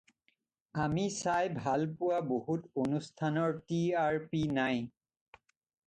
আমি চাই ভাল পোৱা বহুত অনুষ্ঠানৰ টি আৰ পি নাই।